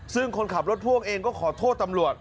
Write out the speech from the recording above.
ซึ่งคนขับรถพ่วงเองก็ขอโทษตำรวจ